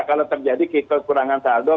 kalau terjadi kekurangan saldo